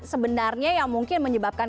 sebenarnya yang mungkin menyebabkan